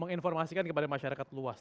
menginformasikan kepada masyarakat luas